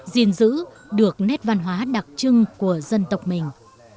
gìn giữ được nét văn hóa đặc trưng của dân tộc mình